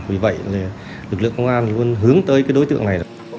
vì vậy lực lượng công an luôn hướng tới đối tượng này